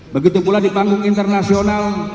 begitu pula di panggung internasional